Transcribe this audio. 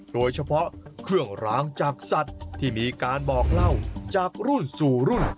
โดยเฉพาะเครื่องร้างจากสัตว์ที่มีการบอกเล่าจากรุ่นสู่รุ่น